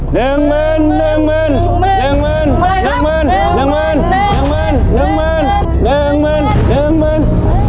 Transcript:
๑หมื่น๑หมื่น๑หมื่น๑หมื่น๑หมื่น